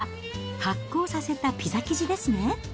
まずは、発酵させたピザ生地ですね。